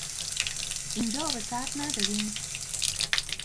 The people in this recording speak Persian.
اینجا آب سرد ندارین؟